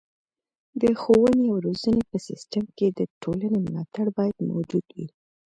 د ښوونې او روزنې په سیستم کې د ټولنې ملاتړ باید موجود وي.